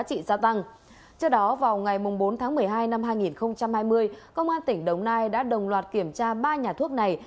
trước đó vào ngày bốn tháng một mươi hai năm hai nghìn hai mươi công an tỉnh đồng nai đã đồng loạt kiểm tra ba nhà thuốc này